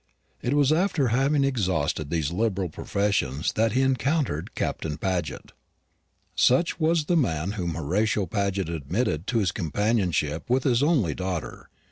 It was after having exhausted these liberal professions that he encountered Captain Paget. Such was the man whom Horatio Paget admitted to companionship with his only daughter.